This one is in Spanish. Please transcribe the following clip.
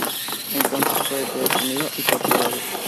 Entonces, fue detenido y torturado.